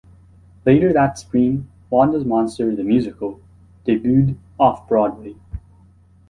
Later that spring, "Wanda's Monster The Musical" debuted Off-Broadway.